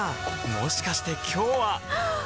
もしかして今日ははっ！